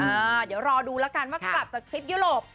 เดี๋ยวรอดูแล้วกันว่ากลับจากทริปยุโรป